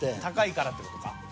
高いからって事か。